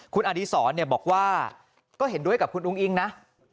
คุณอดีศรบอกว่าก็เห็นด้วยกับคุณอุ้งอิงนะ